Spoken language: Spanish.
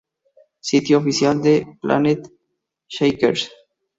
Sitio Oficial de Planetshakers